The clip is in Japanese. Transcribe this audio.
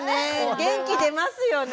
元気出ますよね